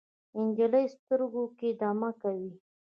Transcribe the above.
د نجلۍ سترګو کې دمه کوي